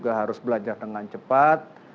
juga harus belajar dengan cepat